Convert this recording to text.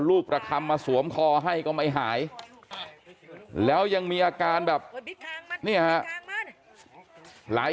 ประคำมาสวมคอให้ก็ไม่หายแล้วยังมีอาการแบบเนี่ยฮะหลาย